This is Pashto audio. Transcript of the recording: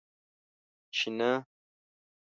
چې نه!